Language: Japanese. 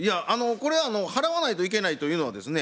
これ払わないといけないというのはですね